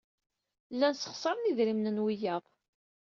Llan ssexṣaren idrimen n wiyaḍ.